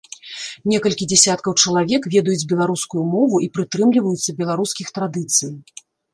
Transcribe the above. Некалькі дзясяткаў чалавек ведаюць беларускую мову і прытрымліваюцца беларускіх традыцый.